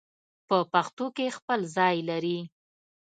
په پښتو کې خپل ځای لري